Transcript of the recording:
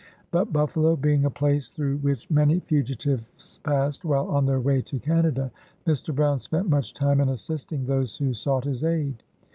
But Buffalo being a place through which many fugitives passed while on their way to Canada, Mr. Brown spent much time in assisting those who sought his aid.